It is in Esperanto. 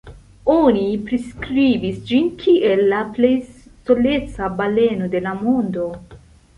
Oni priskribis ĝin kiel la "plej soleca baleno de la mondo".